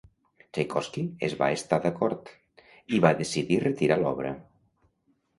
Txaikovski es va estar d'acord, i va decidir retirar l'obra.